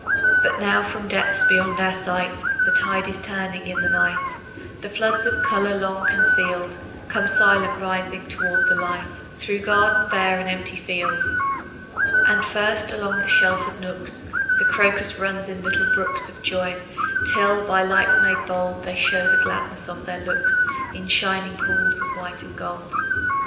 But now from depths beyond our sight, The tide is turning in the night, And floods of color long concealed Come silent rising toward the light, Through garden bare and empty field. And first, along the sheltered nooks, The crocus runs in little brooks Of joyance, till by light made bold They show the gladness of their looks In shining pools of white and gold.